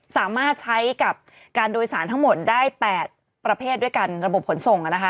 สามารถใช้กับการโดยสารทั้งหมดได้๘ประเภทด้วยกันระบบขนส่ง